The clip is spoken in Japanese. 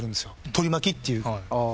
取り巻きっていう。